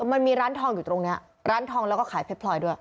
มันมีร้านทองอยู่ตรงนี้ร้านทองแล้วก็ขายเพชรพลอยด้วย